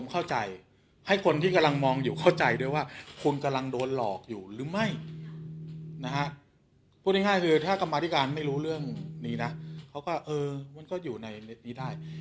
มาที่การไม่รู้เรื่องนี้นะเขาก็เออมันก็อยู่ในเน็ตนี้ได้